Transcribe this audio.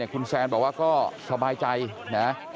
คุณแซนบอกว่าก็สบายใจนะ